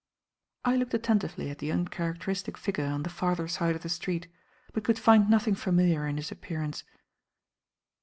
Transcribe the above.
I looked attentively at the uncharacteristic figure on the farther side of the street, but could find nothing familiar in his appearance.